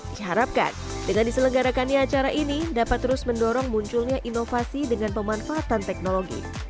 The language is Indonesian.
diharapkan dengan diselenggarakannya acara ini dapat terus mendorong munculnya inovasi dengan pemanfaatan teknologi